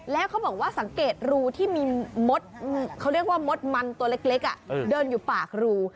แล้วเขาบอกว่าสังเกตรูที่มีมดมันตัวเล็กเดินอยู่ปากรู